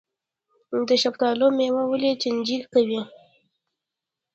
د شفتالو میوه ولې چینجي کوي؟